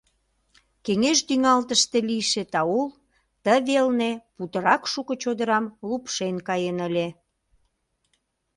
Кеҥеж тӱҥалтыште лийше таул ты велне путырак шуко чодырам лупшен каен ыле.